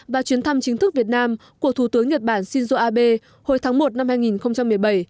và chuyến thăm chính thức việt nam của thủ tướng nhật bản shinzo abe hồi tháng một năm hai nghìn một mươi bảy